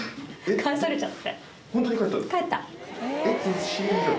帰されちゃって。